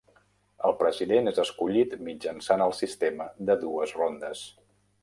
El president és escollit mitjançant el sistema de dues rondes.